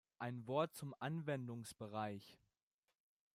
Ein Wort zum Anwendungsbereich.